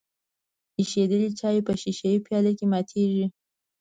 ایشیدلی چای په ښیښه یي پیاله کې ماتیږي.